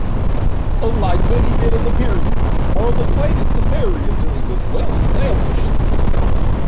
Unlike many men of the period, Marland waited to marry until he was well-established.